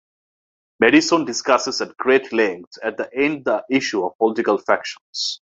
Madison discusses at great length at the end the issue of political factions.